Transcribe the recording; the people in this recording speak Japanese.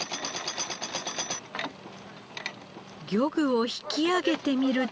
漁具を引き上げてみると。